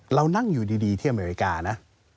เรานั่งอยู่ดีที่อเมริกานะ